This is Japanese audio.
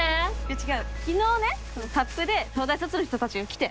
昨日ねサップで東大卒の人たちが来て。